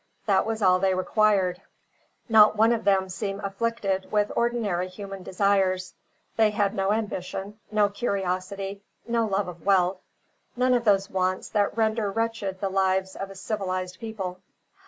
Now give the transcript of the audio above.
That was all they required. Not one of them seemed afflicted with ordinary human desires. They had no ambition, no curiosity, no love of wealth, none of those wants that render wretched the lives of civilised people.